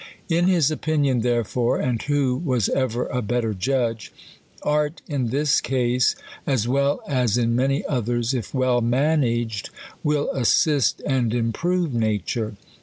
In his opinion therefore (and who was ever a better judge ?) art, in this case, as well as in many others, if well managed, will assist and improve nature.